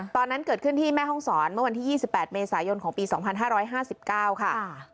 ตอนนั้นเกิดขึ้นที่แม่ห้องศรเมื่อวันที่๒๘เมษายนของปี๒๕๕๙ค่ะ